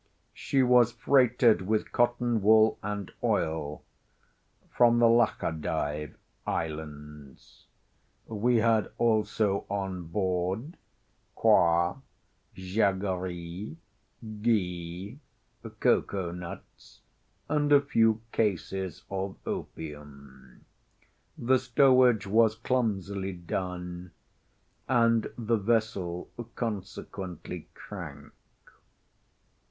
She was freighted with cotton wool and oil, from the Lachadive islands. We had also on board coir, jaggeree, ghee, cocoa nuts, and a few cases of opium. The stowage was clumsily done, and the vessel consequently crank.